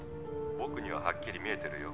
「僕にははっきり見えてるよ」